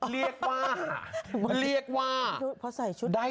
เรียกว่าเรียกว่าได้ใจ